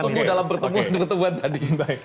itu yang ditunggu dalam pertemuan tadi